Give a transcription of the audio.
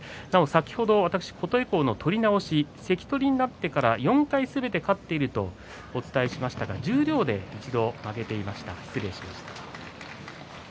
先ほど、琴恵光の取り直し関取になってから４回すべて勝っているとお伝えしましたが十両で一度、負けていました。